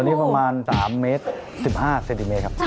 นี่ประมาณ๓เมตร๑๕เซนติเมตรครับ